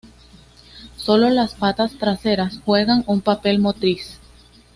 Solo las patas traseras juegan un papel motriz.